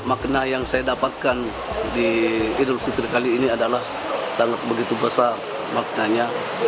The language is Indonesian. makna yang saya dapatkan di idul fitri kali ini adalah sangat begitu besar maknanya